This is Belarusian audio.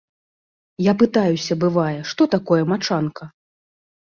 Я пытаюся, бывае, што такое мачанка?